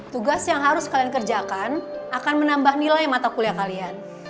tugas yang harus kalian kerjakan akan menambah nilai mata kuliah kalian